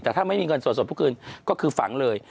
แต่ถ้าไม่มีเงินสดผู้คืนก็คือฝังเลย